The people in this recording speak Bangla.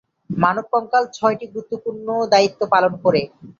মানব কঙ্কাল ছয়টি গুরুত্বপূর্ণ দায়িত্ব পালন করে।